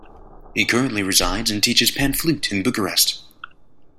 He currently resides and teaches pan flute in Bucharest.